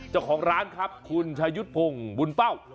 เจ้าของร้านครับคุณชายุทธ์พงศ์บุญเป้า